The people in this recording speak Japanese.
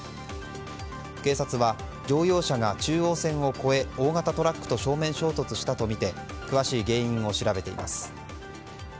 警察は乗用車が中央線を越え、大型トラックと正面衝突したとみて詳しい原因を調べています。